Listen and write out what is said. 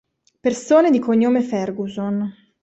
Persone di cognome Ferguson